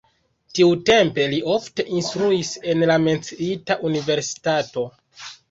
Tiutempe li ofte instruis en la menciita universitato.